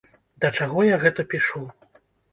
Да чаго я гэта пішу?